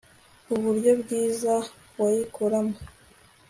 uburyo bwiza wayikoramo